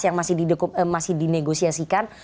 yang masih dinegosiasikan